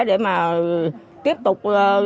để mà tiếp tục